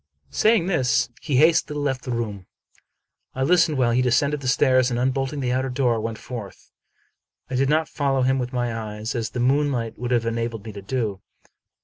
Saying this, he hastily left the room. I listened while he descended the stairs, and, unbolting the outer door, went forth. I did not follow him with my eyes, as the moon light would have enabled me to do.